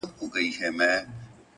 اخلاص د الفاظو اغېز پیاوړی کوي!